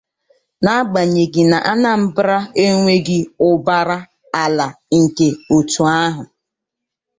n'agbanyeghị na Anambra enweghị ụbara ala nke otu ahụ